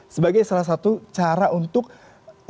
sebagai salah satu cara untuk menyimpan emas